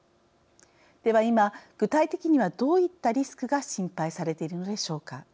では今具体的にはどういったリスクが心配されているのでしょうか。